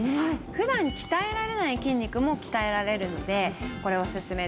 普段鍛えられない筋肉も鍛えられるのでこれおすすめです。